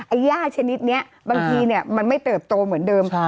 ไอ้ย่าชนิดเนี่ยบางทีเนี่ยมันไม่เติบโตเหมือนเดิม